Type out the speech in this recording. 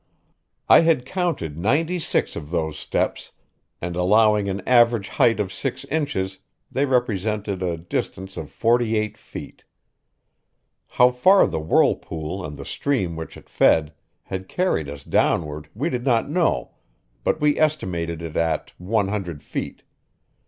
I had counted ninety six of those steps, and allowing an average height of six inches, they represented a distance of forty eight feet. How far the whirlpool and the stream which it fed had carried us downward we did not know, but we estimated it at one hundred feet.